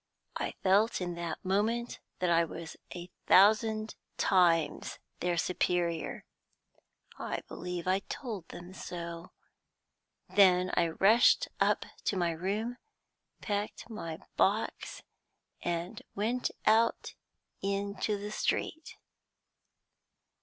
I felt in that moment that I was a thousand times their superior; I believe I told them so. Then I rushed up to my room, packed my box, and went out into the street.